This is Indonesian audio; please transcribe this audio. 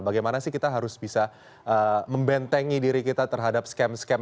bagaimana sih kita harus bisa membentengi diri kita terhadap scam scam